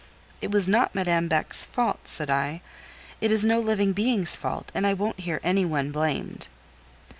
"It was not Madame Beck's fault," said I; "it is no living being's fault, and I won't hear any one blamed."